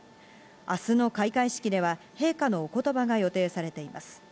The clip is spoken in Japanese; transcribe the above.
明日の開会式では、陛下のお言葉が予定されています。